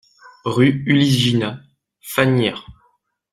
Rue Ulysse Ginat, Fagnières